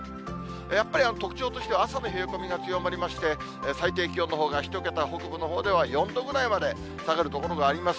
やっぱり特徴としては朝の冷え込みが強まりまして、最低気温のほうが１桁、北部のほうでは４度ぐらいまで下がる所があります。